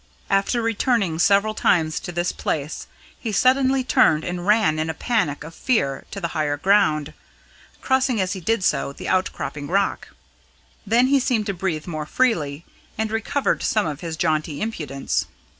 After returning several times to this place, he suddenly turned and ran in a panic of fear to the higher ground, crossing as he did so the outcropping rock. Then he seemed to breathe more freely, and recovered some of his jaunty impudence.